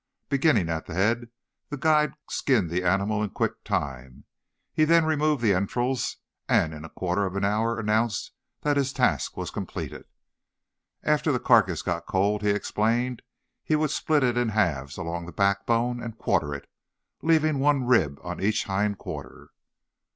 Beginning at the head the guide skinned the animal in quick time. He then removed the entrails, and in a quarter of an hour announced that his task was completed. After the carcass got cold, he explained, he would split it in halves along the backbone and quarter it, leaving one rib on each hind quarter.